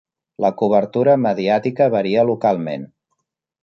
La cobertura mediàtica varia localment.